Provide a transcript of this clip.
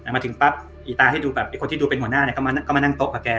มาถึงปั๊บอีตาให้ดูแบบไอ้คนที่ดูเป็นหัวหน้าเนี่ยก็มานั่งโต๊ะกับแก